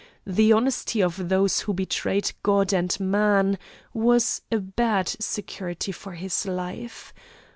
The honesty of those who betrayed God and man, was a bad security for his life.